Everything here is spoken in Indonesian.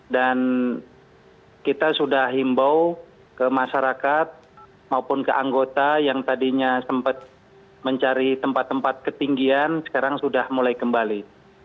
kita sudah himbau ke masyarakat maupun ke anggota yang tadinya sempat mencari tempat tempat ketinggian sekarang sudah mulai kembali